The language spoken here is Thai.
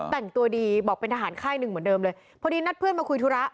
แบ่งตัวดีบอกเป็นอาหารค่ายหนึ่งเหมือนเดิมเลย